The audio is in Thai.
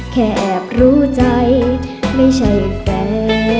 แอบรู้ใจไม่ใช่แฟน